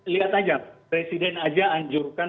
lihat aja presiden aja anjurkan